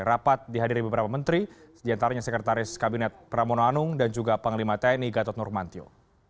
rapat dihadiri beberapa menteri diantaranya sekretaris kabinet pramono anung dan juga panglima tni gatot nurmantio